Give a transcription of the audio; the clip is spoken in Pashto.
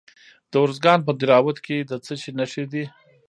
د ارزګان په دهراوود کې د څه شي نښې دي؟